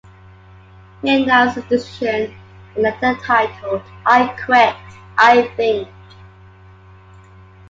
He announced his decision in a letter titled "I Quit, I Think".